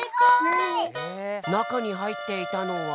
なかにはいっていたのは。